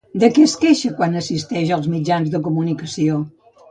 De què es queixa quan assisteix als mitjans de comunicació?